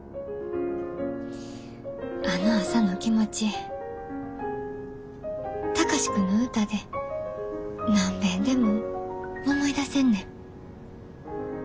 あの朝の気持ち貴司君の歌で何べんでも思い出せんねん。